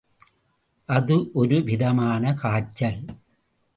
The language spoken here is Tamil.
அது ஒரு விதமான காய்ச்சல்.